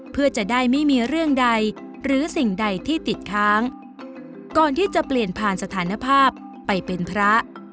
เพื่อจะได้ไม่มีเรื่องใดหรือสิ่งใดที่ติดค้างก่อนที่จะเปลี่ยนผ่านสถานภาพไปเป็นพระ